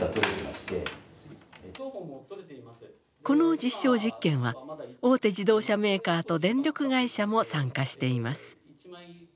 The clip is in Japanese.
この実証実験は大手自動車メーカーと電力会社も参加しています。